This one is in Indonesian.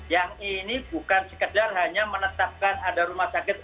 yang ini bukan sekedar hanya menetapkan ada rumah sakit